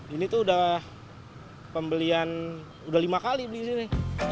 ini tuh udah pembelian udah lima kali beli di sini